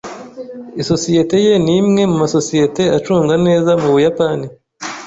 Isosiyete ye ni imwe mu masosiyete acungwa neza mu Buyapani.